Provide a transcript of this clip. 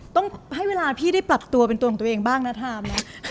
ต้องให้เวลาพี่ได้ปรับตัวเป็นตัวของตัวเองบ้างนะทามนะ